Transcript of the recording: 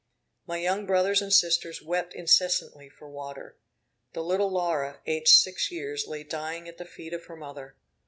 My young brothers and sisters wept incessantly for water. The little Laura, aged six years lay dying at the feet of her mother.